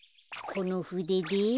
このふでで。